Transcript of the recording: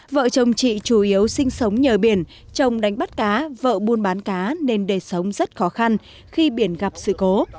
vợ chồng chị chủ yếu sinh sống nhờ biển trồng đánh bắt cá vợ buôn bán cá nên đời sống rất khó khăn khi biển gặp sự cố